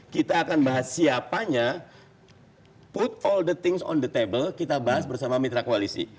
kita akan bahas siapanya put all the things on the table kita bahas bersama mitra koalisi